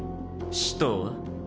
死とは？